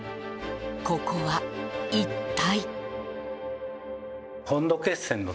ここは一体。